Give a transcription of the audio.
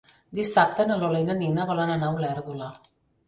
Dissabte na Lola i na Nina volen anar a Olèrdola.